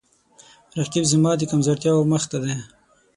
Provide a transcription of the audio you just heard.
رقیب زما د کمزورتیاو مخ ته دی